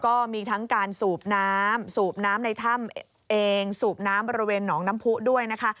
ก็มีทั้งการสูบน้ำสูบน้ำในถ้ำเองสูบน้ำบริเวณหนองน้ำผู้ด้วยนะคะ